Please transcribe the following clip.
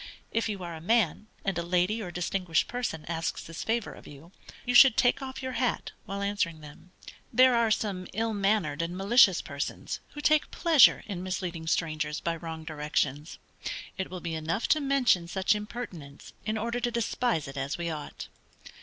If you are a man, and a lady or distinguished person asks this favor of you, you should take off your hat while answering them. There are some ill mannered and malicious persons, who take pleasure in misleading strangers by wrong directions. It will be enough to mention such impertinence in order to despise it as we ought.